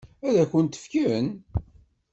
Ad kent-t-fken?